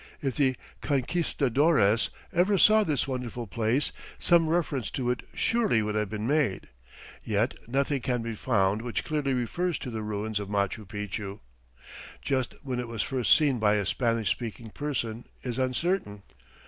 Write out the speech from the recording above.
If the conquistadores ever saw this wonderful place, some reference to it surely would have been made; yet nothing can be found which clearly refers to the ruins of Machu Picchu. Just when it was first seen by a Spanish speaking person is uncertain.